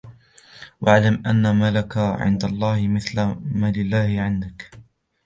وَاعْلَمْ أَنَّ مَا لَك عِنْدَ اللَّهِ مِثْلُ مَا لِلَّهِ عِنْدَك